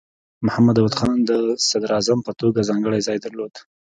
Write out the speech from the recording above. محمد داؤد خان د صدراعظم په توګه ځانګړی ځای درلود.